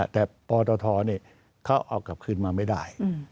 แต่ปทนี่เขากลับขึ้นมาไม่ได้